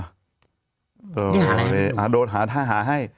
ที่หาไหนโดยท่าหาให้